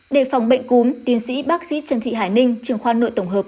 để phòng bệnh cúm tiến sĩ bác sĩ trần thị hải ninh trường khoa nội tổng hợp